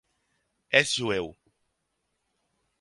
És jueu.